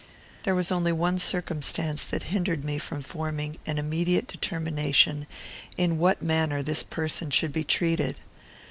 There was only one circumstance that hindered me from forming an immediate determination in what manner this person should be treated.